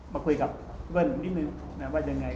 พอคุยกับเวิ้ลหนึ่งไงแบบยังไง